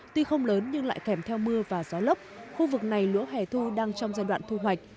tuy không lớn nhưng lại kèm theo mưa và gió lốc khu vực này lúa hẻ thu đang trong giai đoạn thu hoạch